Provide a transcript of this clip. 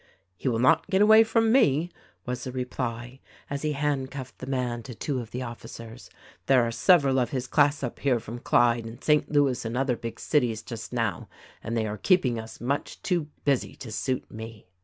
"He will not get away from me," was the reply as he handcuffed the man to two of the officers. "There are several of his class up here from Clyde and St. Louis and other big cities just now, and they are keeping us much too busy to suit me."